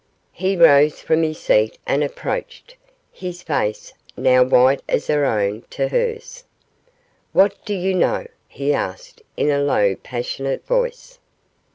He rose from his seat and approached his face, now white as her own, to hers. 'What do you know?' he asked, in a low, passionate voice.